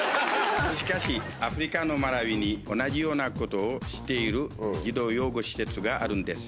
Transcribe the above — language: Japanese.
しかし、アフリカのマラウイに同じようなことをしている児童養護施設があるんです。